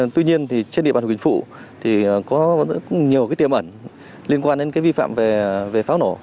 tuy nhiên trên địa bàn huyện bình phụ có nhiều tiềm ẩn liên quan đến vi phạm về pháo nổ